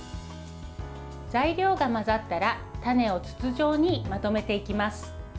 材料が混ざったらタネを筒状にまとめていきます。